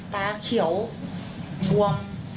ตาเขียวชวม